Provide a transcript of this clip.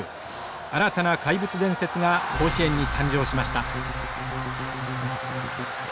新たな怪物伝説が甲子園に誕生しました。